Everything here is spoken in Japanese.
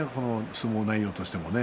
相撲内容としてもね